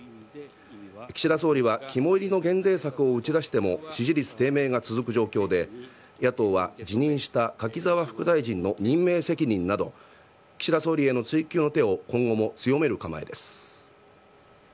岸田総理は肝煎りの減税策を打ち出しても、支持率低迷が続く状況で、野党は辞任した柿沢副大臣の任命責任など、岸田総理への追及の手を今後も強める構えです。